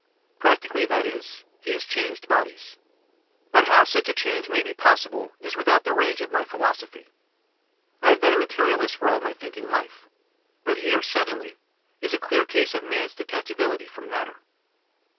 Practi cally, that is, he has changed bodies. But how such a change may be possible is without the range of my philosophy. I have been a materialist for all my thinking life, but here, suddenly, is a clear case of man's detachability from matter.